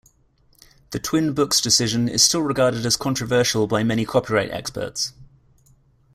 The "Twin Books" decision is still regarded as controversial by many copyright experts.